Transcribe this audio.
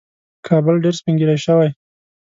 کابل ډېر سپین ږیری شوی